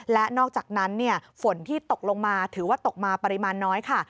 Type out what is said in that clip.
และนอกจากนั้นฝนที่ตกลงมาถือว่าตกมาปริมาณน้อยค่ะ